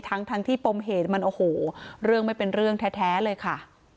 ทั้งที่ปมเหตุมันโอ้โหเรื่องไม่เป็นเรื่องแท้เลยค่ะ